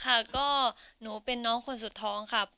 ค่ะก็หนูเป็นน้องคนสุดท้องครับ